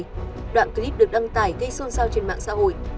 đoạn clip được đăng tải gây xôn xao trên mạng xã hội